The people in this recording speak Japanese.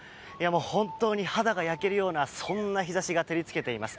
本当に肌が焼けるようなそんな日差しが照りつけています。